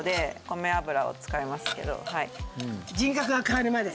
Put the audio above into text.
私は人格が変わるまで？